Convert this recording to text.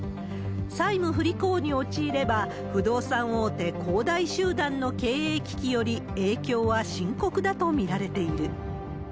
債務不履行に陥れば、不動産大手、恒大集団の経営危機より影響は深刻だと見られている。